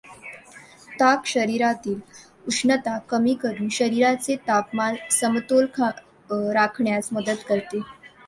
ताक शरीरातील उष्णता कमी करून शरीराचे तापमान समतोल राखण्यास मदत करते.